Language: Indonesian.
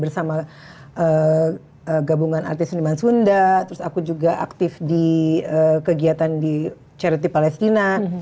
bersama gabungan artis seniman sunda terus aku juga aktif di kegiatan di charity palestina